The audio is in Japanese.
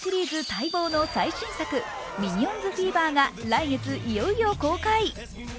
待望の最新作「ミニオンズフィーバー」が来月いよいよ公開。